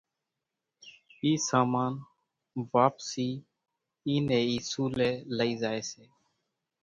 اِي سامان واپسي اي ني اِي سوليَ لئي زائي سي۔